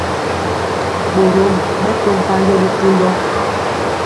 Ɓorom ɓɛ to mpanjɔ bitundɔ.